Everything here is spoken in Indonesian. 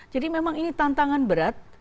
jadi memang ini tantangan berat